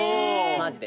マジで。